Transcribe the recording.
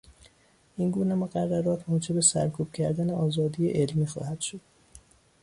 این گونه مقررات موجب سرکوب کردن آزادی علمی خواهد شد.